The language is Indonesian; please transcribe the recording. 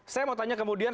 saya mau tanya kemudian